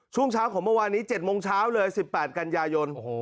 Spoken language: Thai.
ช่วงเช้าของเมื่อวานนี้เจ็ดโมงเช้าเลยสิบแปดกันยายนโอ้โห